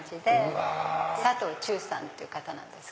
うわ！佐藤忠さんって方なんです